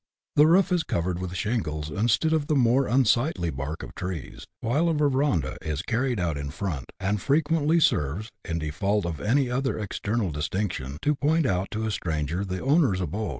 The roof is covered with shingles, instead of the more unsightly bark of trees, while a verandah is carried out in front, and frequently serves, in default of any other external distinction, to point out to a stranger the owner's abode.